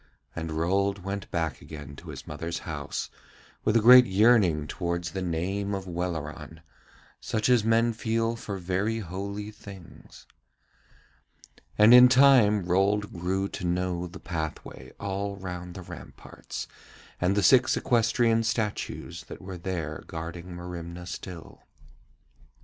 And Rold went back again to his mother's house with a great yearning towards the name of Welleran, such as men feel for very holy things. And in time Rold grew to know the pathway all round the ramparts, and the six equestrian statues that were there guarding Merimna still.